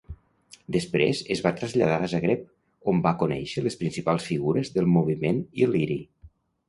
Després es va traslladar a Zagreb, on va conèixer les principals figures del moviment il·liri.